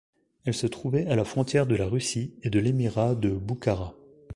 Elle se trouvait à la frontière de la Russie et de l'émirat de Boukhara.